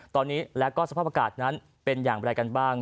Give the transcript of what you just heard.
ตอนนี้และก็สภาพอากาศนั้นเป็นอย่างไรกันบ้าง